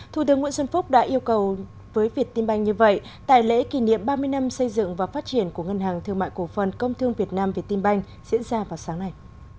thủ tướng nguyễn xuân phúc đã yêu cầu với việt tinh banh như vậy tại lễ kỷ niệm ba mươi năm xây dựng và phát triển của ngân hàng thương mại cổ phần công thương việt nam việt tinh banh diễn ra vào sáng nay